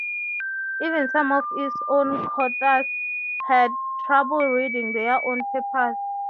Even some of his own coauthors had trouble reading their own papers.